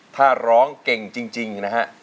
ถ้าร้องเก่งจริงนะฮะ